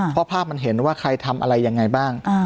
เพราะภาพมันเห็นว่าใครทำอะไรยังไงบ้าง